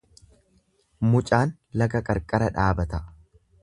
Mucaan laga qarqara dhaabata.